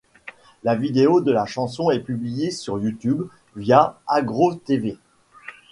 La vidéo de la chanson est publiée sur YouTube via aggro.tv.